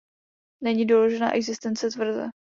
Není doložena existence tvrze.